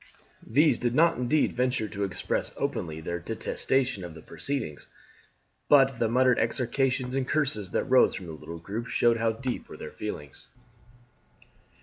These did not indeed venture to express openly their detestation of the proceedings, but the muttered execrations and curses that rose from the little group showed how deep were their feelings.